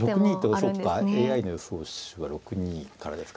そうかＡＩの予想手は６二からですか。